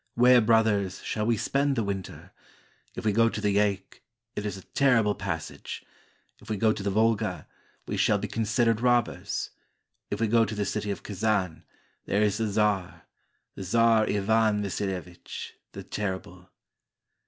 Where, brothers, shall we spend the winter? If we go to the Yaik, it is a terrible passage ; If we go to the Volga, we shall be considered robbers; If we go to the city of Kazan, there is the czar — The Czar Ivan Vasilevich, the Terrible.